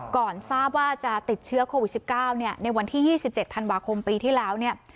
ทราบว่าจะติดเชื้อโควิด๑๙ในวันที่๒๗ธันวาคมปีที่แล้วเนี่ย